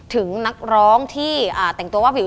ถึงนักร้องที่แต่งตัวว่าวิว